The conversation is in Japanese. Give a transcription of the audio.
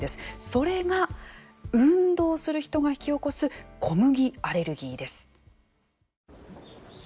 それが運動する人が引き起こす小麦アレルギーです。